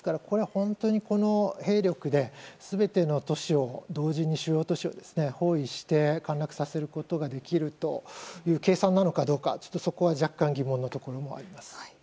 本当に、この兵力で全ての都市を同時に主要都市を包囲して陥落させることができるという計算なのかどうかは、そこは若干疑問のところもあります。